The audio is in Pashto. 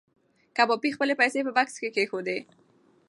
کبابي خپلې پیسې په بکس کې کېښودې.